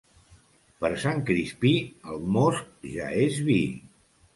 Per Sant Crispí el most ja és vi.